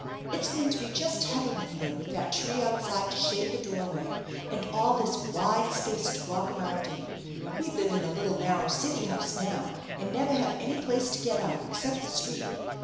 It's going to be Just heavenly here, with that tree outside to shade the door way, and all this wide space to walk around in. We live in a little narrow city house now, and never have any place to get out except the street.